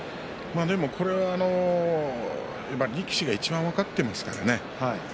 これは力士がいちばん分かっていますからね。